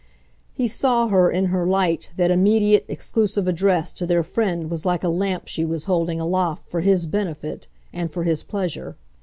He saw her in her light that immediate, exclusive address to their friend was like a lamp she was holding aloft for his benefit and for his pleasure.